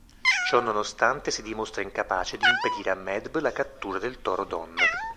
Ciò nonostante si dimostra incapace di impedire a Medb la cattura del toro Donn.